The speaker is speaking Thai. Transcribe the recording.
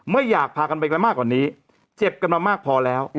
ไม่อยากพากันไปกันมากกว่านี้เจ็บกันมามากพอแล้ว